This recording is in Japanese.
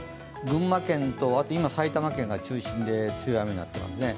群馬県と埼玉県が中心で強い雨が降っていますね。